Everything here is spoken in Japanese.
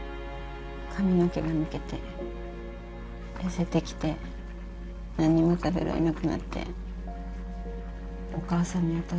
髪の毛が抜けて痩せてきて何にも食べられなくなってお母さんに当たるようになったの。